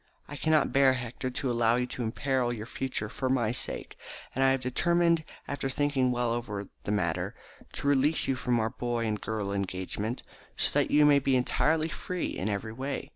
I cannot bear, Hector, to allow you to imperil your future for my sake, and I have determined, after thinking well over the matter, to release you from our boy and girl engagement, so that you may be entirely free in every way.